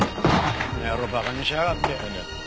あの野郎バカにしやがって。